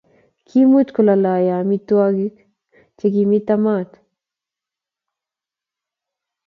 kimuch kolalyo amitwogik che kimito maat